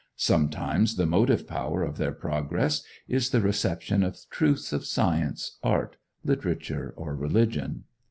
Sometimes the motive power of their progress is the reception of truths of science, art, literature, or religion.